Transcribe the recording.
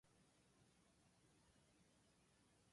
信号処理